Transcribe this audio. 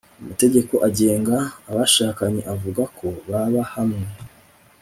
amategeko agenga abashakanye avuga ko baba hamwe